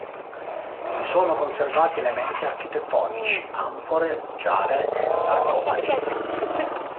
Vi sono conservati elementi architettonici, anfore, giare e sarcofagi.